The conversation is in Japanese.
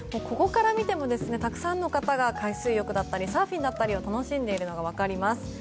ここから見てもたくさんの方が海水浴だったりサーフィンだったりを楽しんでいるのがわかります。